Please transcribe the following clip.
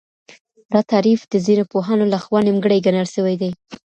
دا تعريف د ځينو پوهانو لخوا نيمګړی ګڼل سوی دی.